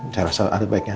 saya rasa ada baiknya